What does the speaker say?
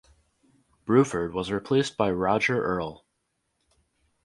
Bruford was replaced by Roger Earl.